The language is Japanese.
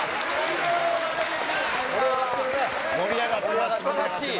盛り上がってます。